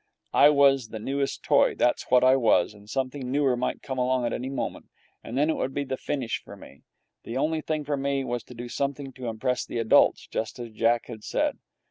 I was the newest toy, that's what I was, and something newer might come along at any moment, and then it would be the finish for me. The only thing for me was to do something to impress the adults, just as Jack had said.